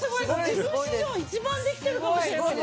自分史上一番できてるかもしれません。